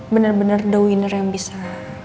bener bener the winner yang bisa